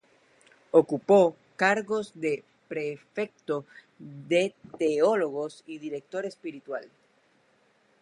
Ocupó cargos de Prefecto de Teólogos y Director Espiritual.